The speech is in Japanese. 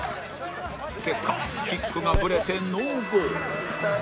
結果キックがぶれてノーゴール